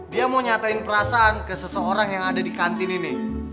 dia mau nyatain perasaan ke seseorang yang ada di kantin ini